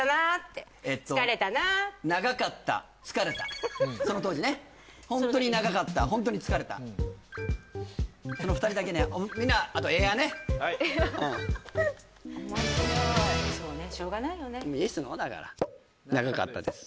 長かった疲れたその当時ねホントに長かったホントに疲れたその２人だけねみんなあとエアねはいエア面白いそうねしょうがないよねＹＥＳＮＯだから「長かったです」